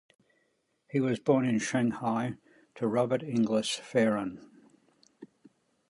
He was born in Shanghai to Robert Inglis Fearon.